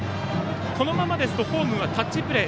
このままですとホームはタッチプレー。